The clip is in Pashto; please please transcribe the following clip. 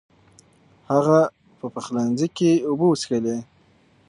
هغه په پخلنځي کې اوبه وڅښلې.